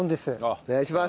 お願いします。